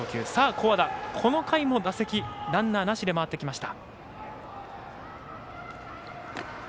古和田、この回も打席がランナーなしで回ってきました。